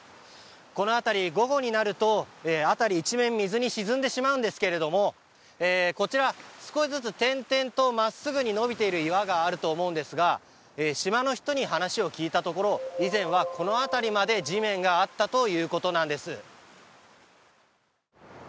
この辺り午後になると辺り一面水で沈んでしまいますがこちら、少しずつ転々と岩があると思うんですが島の人に話を聞くと以前は、この辺りまで地面があったということです。